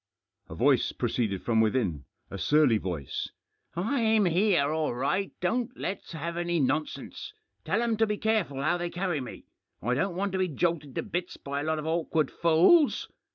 A voice proceeded from within — a surly voice :—" I'm here all right ; don't let's have any nonsense. Tell 'em to be careful how they carry me ; I don't want to be jolted to bits by a lot of awkward fools.